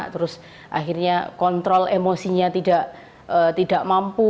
terus akhirnya kontrol emosinya tidak mampu